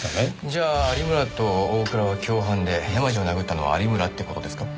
じゃあ有村と大倉は共犯で山路を殴ったのは有村って事ですか？